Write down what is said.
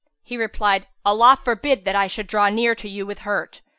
He replied, "Allah forbid that I should draw near to you with hurt!